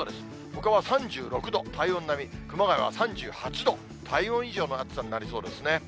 ほかは３６度、体温並み、熊谷は３８度、体温以上の暑さになりそうですね。